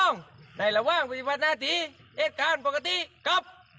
ในระหว่างปฏิบัติหน้าที่เหตุการณ์ปกติกับ